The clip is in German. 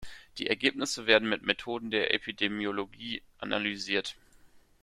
Die Ergebnisse werden mit Methoden der Epidemiologie analysiert.